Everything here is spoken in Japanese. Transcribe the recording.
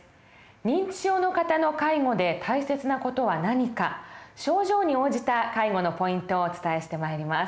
認知症の方の介護で大切な事は何か症状に応じた介護のポイントをお伝えしてまいります。